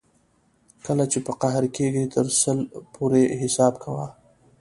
کله چې په قهر کېږې تر سل پورې حساب کوه.